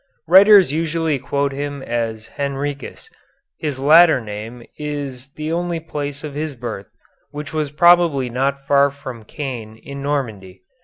Writers usually quote him as Henricus. His latter name is only the place of his birth, which was probably not far from Caen in Normandy.